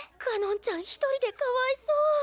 かのんちゃん一人でかわいそう。